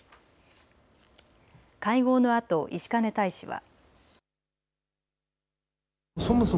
会合のあと石兼大使は。